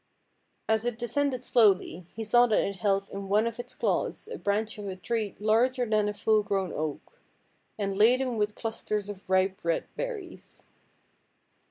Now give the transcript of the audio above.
As it descended slowly, he saw that it held in one of its claws a branch of a tree larger than a full grown oak, and laden with clusters of ripe red berries.